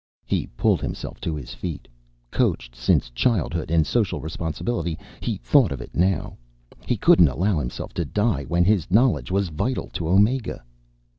He pulled himself to his feet. Coached since childhood in social responsibility, he thought of it now. He couldn't allow himself to die when his knowledge was vital to Omega.